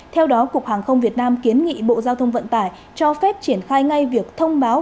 theo đó cục hàng không việt nam kiến nghị bộ giao thông vận tải cho phép triển khai ngay việc thông báo